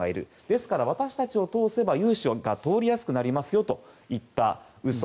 ですから、私たちを通せば融資が通りやすくなりますよといった嘘。